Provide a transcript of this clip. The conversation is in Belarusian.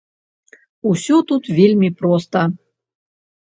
Усё тут вельмі проста.